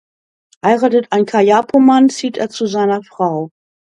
Heiratet ein Kayapo-Mann zieht er zu seiner Frau.